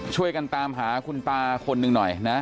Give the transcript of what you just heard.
ช่วยกันตามหาคุณตาคนหนึ่งหน่อยนะ